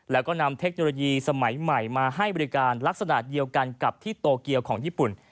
แล้วก็นำเทคโนโลยีสมัยใหม่มาให้บริการลักษณะเดียวกันกับที่โตเกียวของญี่ปุ่น